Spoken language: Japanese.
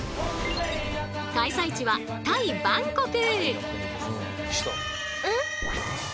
開催地はタイ・バンコク。